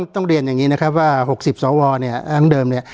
ต้องเรียนอย่างนี้นะครับว่า๖๐สวเนี่ย